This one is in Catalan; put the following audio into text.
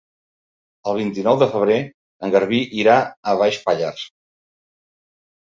El vint-i-nou de febrer en Garbí irà a Baix Pallars.